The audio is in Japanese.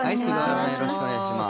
よろしくお願いします。